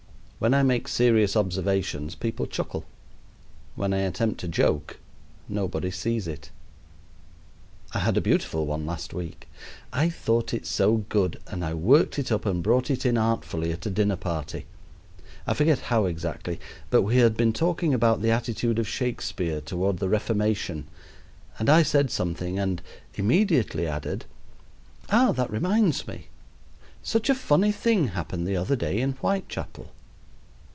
When I make serious observations people chuckle; when I attempt a joke nobody sees it. I had a beautiful one last week. I thought it so good, and I worked it up and brought it in artfully at a dinner party. I forget how exactly, but we had been talking about the attitude of Shakespeare toward the Reformation, and I said something and immediately added, "Ah, that reminds me; such a funny thing happened the other day in Whitechapel."